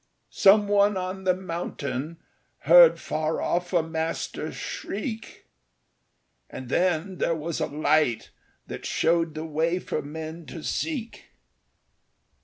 Some one on the mountain heard far off a master shriek, And then there was a light that showed the way for men to seek.